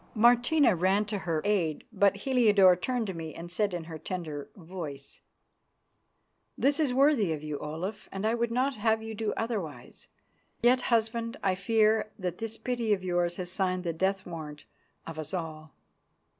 Martina ran to aid her, but Heliodore turned to me and said in her tender voice, "This is worthy of you, Olaf, and I would not have you do otherwise. Yet, husband, I fear that this pity of yours has signed the death warrant of us all."